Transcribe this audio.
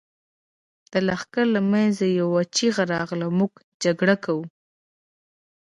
د لښکر له مينځه يوه چيغه راغله! موږ جګړه کوو.